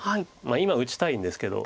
今打ちたいんですけど。